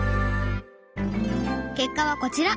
結果はこちら。